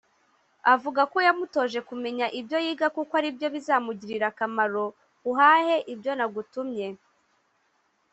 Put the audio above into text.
Avuga ko yamutoje kumenya ibyo yiga kuko aribyo bizamugirira akamaro ‘uhahe ibyo nagutumye